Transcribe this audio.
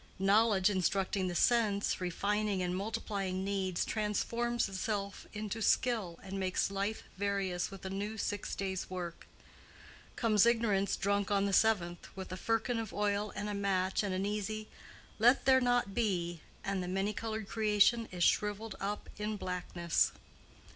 Knowledge, instructing the sense, refining and multiplying needs, transforms itself into skill and makes life various with a new six days' work; comes Ignorance drunk on the seventh, with a firkin of oil and a match and an easy "Let there not be," and the many colored creation is shriveled up in blackness.